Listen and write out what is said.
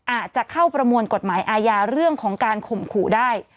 อาจจะเข้าประมวลกฎหมายอาญาเรื่องของการข่มขู่ได้